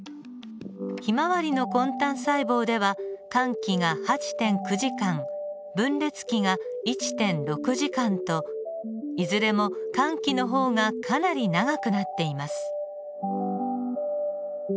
ヒマワリの根端細胞では間期が８．９時間分裂期が１．６時間といずれも間期の方がかなり長くなっています。